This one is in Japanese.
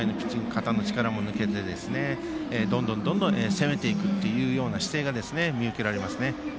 肩の力も抜けてどんどん攻めていく姿勢が見受けられますね。